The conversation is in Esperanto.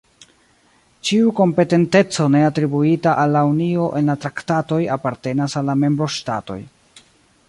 Ĉiu kompetenteco ne atribuita al la Unio en la Traktatoj apartenas al la membroŝtatoj.